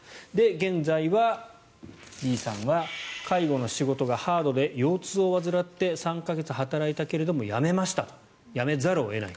現在はＢさんは、介護の仕事がハードで腰痛を患って３か月働いたけれども辞めましたと辞めざるを得ない。